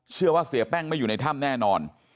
เสียแป้งไม่อยู่ในถ้ำแน่นอน